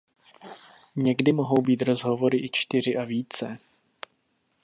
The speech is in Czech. Někdy mohou být rozhovory i čtyři a více.